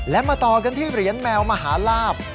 และมาต่อกันที่เหรียญแมวมหาลาบ